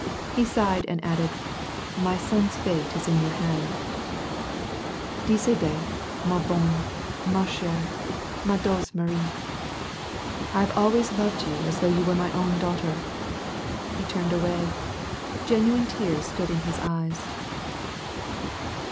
He sighed, and added, " my son's fate is in your hands. Decidez, ma bonne, ma chere, ma douct Marie ! I have always loved you as though you were my own daughter." He turned away. Genuine tears stood in his eyes.